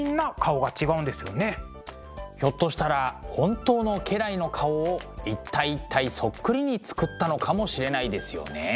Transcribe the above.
ひょっとしたら本当の家来の顔を一体一体そっくりに作ったのかもしれないですよね。